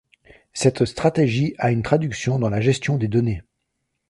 Cette stratégie a une traduction dans la gestion des données.